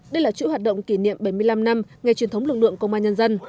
đây là chủ hoạt động kỷ niệm bảy mươi năm năm ngày truyền thống lực lượng công an nhân dân